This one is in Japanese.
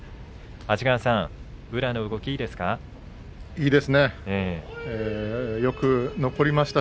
安治川さん宇良の動きはどうでした？